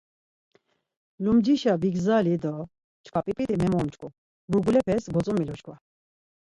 Lumcişa bigzali do çkva p̌ip̌it̆i memomç̌ǩu, burgulepes gotzomilu çkva.